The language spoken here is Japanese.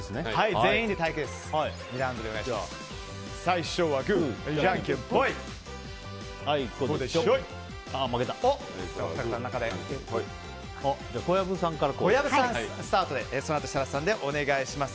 全員で対決でお願いします。